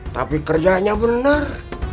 tapi kerjanya benar